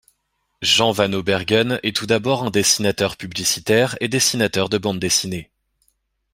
Jean Vanobbergen est tout d'abord un dessinateur publicitaire et dessinateur de bande dessinée.